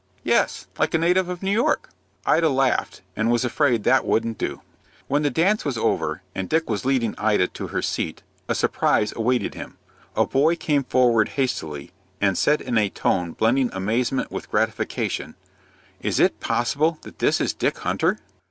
"Yes, like a native of New York." Ida laughed, and was afraid that wouldn't do. When the dance was over, and Dick was leading Ida to her seat, a surprise awaited him. A boy came forward hastily, and said in a tone blending amazement with gratification, "Is it possible that this is Dick Hunter?"